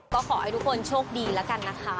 ก็ขอให้ทุกคนโชคดีแล้วกันนะคะ